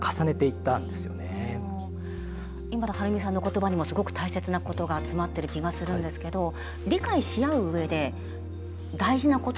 今の春美さんの言葉にもすごく大切なことが詰まってる気がするんですけど理解し合う上で大事なことっていうのは何ですか？